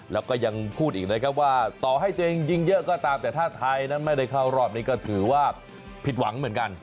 แล้วก็ยังพูดอีกนะครับว่าต่อให้ตัวเองยิงเยอะก็ตามแต่ถ้าไทยนั้นไม่ได้เข้ารอบนี้ก็ถือว่าผิดหวังเหมือนกัน